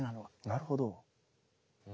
なるほど。